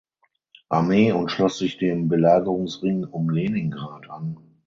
Armee und schloss sich dem Belagerungsring um Leningrad an.